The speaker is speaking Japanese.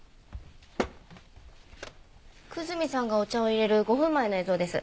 久住さんがお茶を淹れる５分前の映像です。